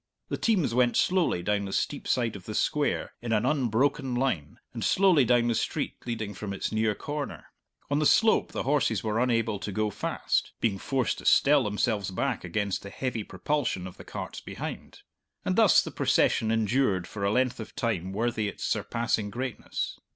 The teams went slowly down the steep side of the Square in an unbroken line, and slowly down the street leading from its near corner. On the slope the horses were unable to go fast being forced to stell themselves back against the heavy propulsion of the carts behind; and thus the procession endured for a length of time worthy its surpassing greatness.